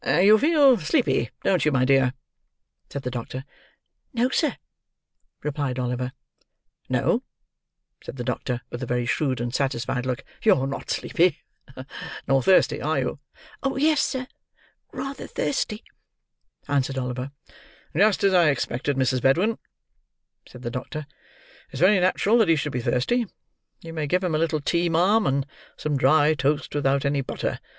"You feel sleepy, don't you, my dear?" said the doctor. "No, sir," replied Oliver. "No," said the doctor, with a very shrewd and satisfied look. "You're not sleepy. Nor thirsty. Are you?" "Yes, sir, rather thirsty," answered Oliver. "Just as I expected, Mrs. Bedwin," said the doctor. "It's very natural that he should be thirsty. You may give him a little tea, ma'am, and some dry toast without any butter.